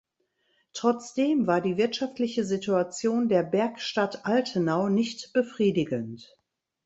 Trotzdem war die wirtschaftliche Situation der Bergstadt Altenau nicht befriedigend.